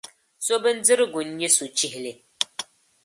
So bindirigu n-nyɛ so chihili.